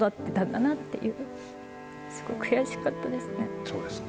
すごい悔しかったですね。